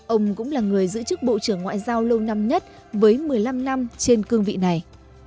ông cũng là người giữ chức bộ trưởng ngoại giao lâu năm nhất với một mươi năm năm trên cương vị này